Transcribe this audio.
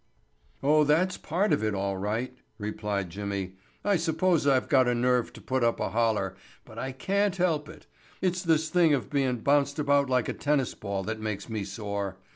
"Oh, that part of it's all right," replied Jimmy. "I suppose I've got a nerve to put up a holler, but I can't help it. It's this thing of bein' bounced about like a tennis ball that makes me sore.